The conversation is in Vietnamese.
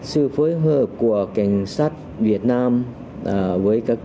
sự phối hợp của cảnh sát việt nam với các tư lĩnh